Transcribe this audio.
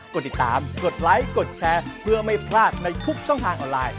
กดติดตามกดไลค์กดแชร์เพื่อไม่พลาดในทุกช่องทางออนไลน์